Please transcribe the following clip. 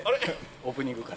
オープニングから。